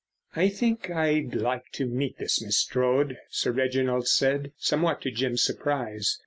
"I think I'd like to meet this Miss Strode," Sir Reginald said, somewhat to Jim's surprise.